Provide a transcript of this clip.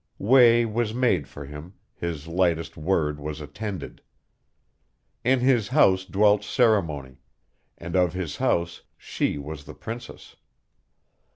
Way was made for him, his lightest word was attended. In his house dwelt ceremony, and of his house she was the princess.